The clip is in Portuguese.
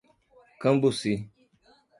Cambuci